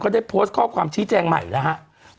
เขาได้โพสต์ข้อความชี้แจงใหม่แล้ว